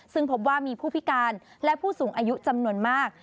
ซึ่งพบว่ามีผู้พิการและผู้สูงอายุจำนวนมาก